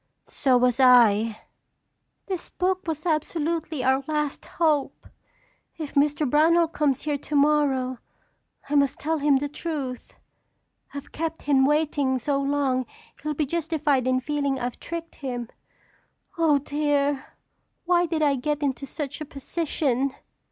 "So was I." "This book was absolutely our last hope. If Mr. Brownell comes here tomorrow I must tell him the truth. I've kept him waiting so long he'll be justified in feeling I've tricked him. Oh, dear! Why did I get into such a position?"